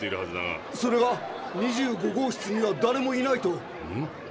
それが２５号室にはだれもいないと。